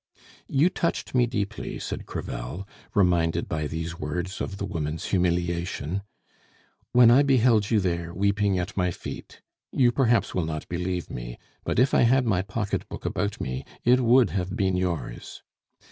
"You touched me deeply," said Crevel, reminded by these words of the woman's humiliation, "when I beheld you there, weeping at my feet! You perhaps will not believe me, but if I had my pocket book about me, it would have been yours.